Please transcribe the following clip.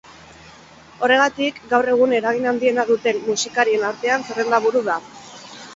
Horregatik, gaur egun eragin handiena duten musikarien artean zerrendaburu da.